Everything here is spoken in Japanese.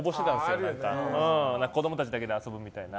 子供たちだけで遊ぶみたいな。